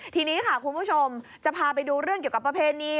ทีนี้ค่ะคุณผู้ชมจะพาไปดูเรื่องเกี่ยวกับประเพณี